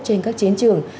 trên các chiến trường